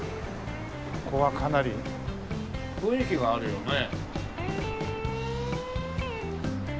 ここはかなり雰囲気があるよね。